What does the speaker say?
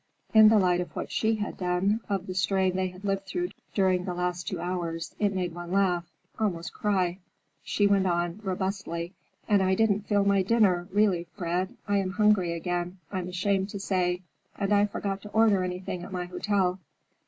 In the light of what she had done, of the strain they had lived through during the last two hours, it made one laugh,—almost cry. She went on, robustly: "And I didn't feel my dinner, really, Fred. I am hungry again, I'm ashamed to say,—and I forgot to order anything at my hotel."